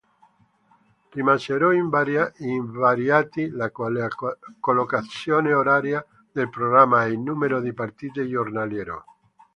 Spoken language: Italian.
Rimasero invariati la collocazione oraria del programma e il numero di partite giornaliero.